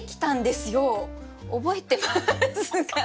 覚えてますか？